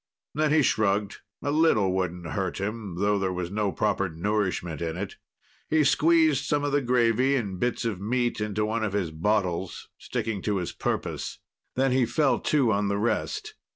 Then he shrugged. A little wouldn't hurt him, though there was no proper nourishment in it. He squeezed some of the gravy and bits of meat into one of his bottles, sticking to his purpose; then he fell to on the rest.